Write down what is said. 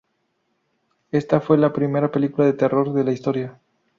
Ésta fue la primera película de terror de la historia.